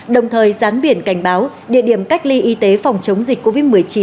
đồng thời gián biển cảnh báo địa điểm cách ly y tế phòng chống dịch covid một mươi chín